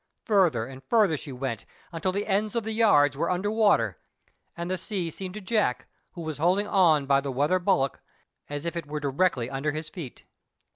Further and further she went, until the ends of the yards were under water, and the sea seemed to Jack, who was holding on by the weather bulwark, as if it were directly under his feet.